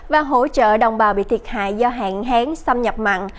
và hỗ trợ đồng bào bị thiệt hại do hạn hán xâm nhập mặn